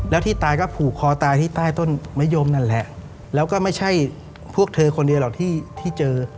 แล้วที่ตายก็ผูกคอตายที่ใต้ต้นมะยมนั่นแหละแล้วก็ไม่ใช่พวกเธอคนเดียวหรอกที่เจอ